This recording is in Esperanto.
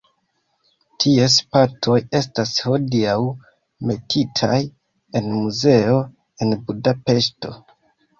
Ties partoj estas hodiaŭ metitaj en muzeo en Budapeŝto.